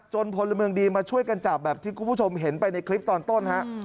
พลเมืองดีมาช่วยกันจับแบบที่คุณผู้ชมเห็นไปในคลิปตอนต้นฮะ